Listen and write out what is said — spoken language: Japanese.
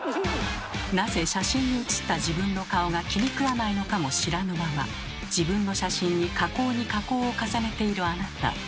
なぜ写真にうつった自分の顔が気にくわないのかも知らぬまま自分の写真に加工に加工を重ねているあなた。